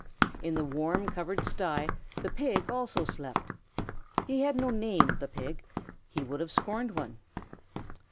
In the warm, covered sty the pig also slept. He had no name, the pig; he would have scorned one.